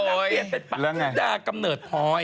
โอ้ยแล้วไง